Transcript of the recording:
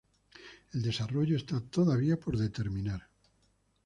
El desarrollo está todavía por determinar.